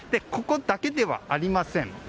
ここだけではありません。